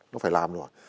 nó phải làm rồi